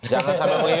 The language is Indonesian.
jangan sampai menghilang